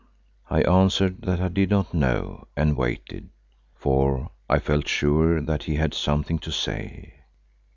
I answered that I did not know and waited, for I felt sure that he had something to say.